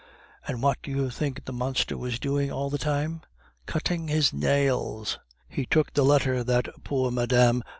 And what do you think the monster was doing all the time? Cutting his nails! He took the letter that poor Mme.